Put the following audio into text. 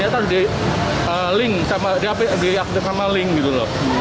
ternyata diaktif sama link gitu loh